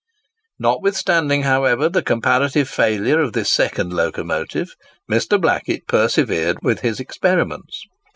Notwithstanding, however, the comparative failure of this second locomotive, Mr. Blackett persevered with his experiments.